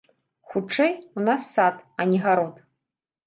Хутчэй, у нас сад, а не гарод.